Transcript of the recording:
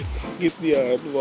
sakit ya lu gak like ya